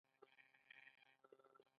آیا دوی له وریجو سره زعفران نه کاروي؟